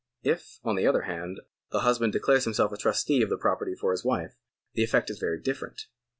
If, on the other hand, the husband declares himself a trustee of the property for his wife, the effect is very different.